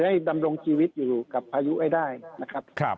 อย่าให้ดำรงชีวิตอยู่กับพายุควร้ายได้นะครับ